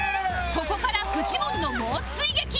ここからフジモンの猛追撃！